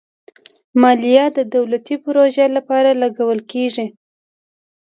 مالیه د دولتي پروژو لپاره لګول کېږي.